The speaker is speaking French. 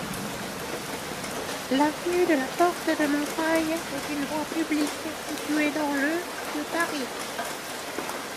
L'avenue de la Porte-de-Montreuil est une voie publique située dans le de Paris.